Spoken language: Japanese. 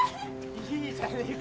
いいじゃねえか。